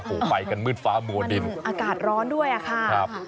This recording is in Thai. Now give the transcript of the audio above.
โหไปกันมืดฟ้ามัวดินมันอากาศร้อนด้วยอะค่ะ